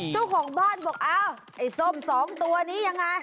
เจ้าของบ้านบอกอ้าวไอ้ส้มสองตัวนี้ยังไง